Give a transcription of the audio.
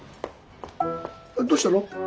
どうしたの？